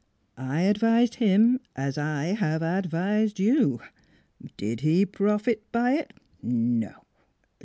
I advised him, as I have advised you. ... Did he profit by it? No!